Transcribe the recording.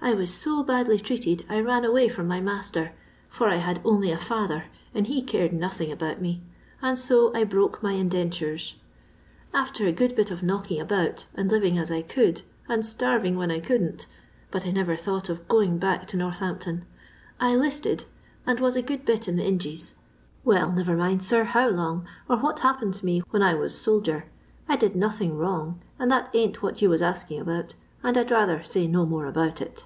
I was so badly treated I ran away firom my master, for I had only a father, and he cared nothing about me, and so I broke my indentures. After a good bit of knocking about and living as I could, and starving when I couldn't, but I never thought of going bKu:k to Northampton, I 'listed and was a good bit in the Ingees. Well, never mind, sir, how long, or what happened me when I was soldier. I did nothing wrong, and that ain't what you was asking about, and I 'd rather say no more about it."